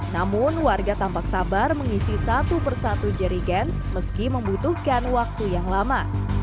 namun warga tampak sabar mengisi satu persatu jerigen meski membutuhkan waktu yang lama